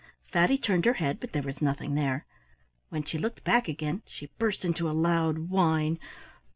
Fatty turned her head, but there was nothing there. When she looked back again she burst into a loud whine.